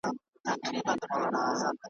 کله کله او حتی اکثر وختونه .